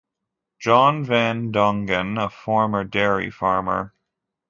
John van Dongen, a former dairy farmer.